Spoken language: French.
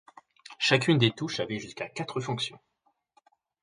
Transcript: Chacune des touches avait jusqu'à quatre fonctions.